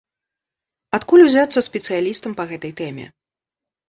Адкуль узяцца спецыялістам па гэтай тэме?